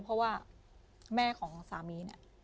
เพราะว่าแม่ของสามีเนี่ย